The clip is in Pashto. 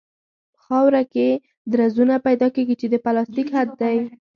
په خاوره کې درزونه پیدا کیږي چې د پلاستیک حد دی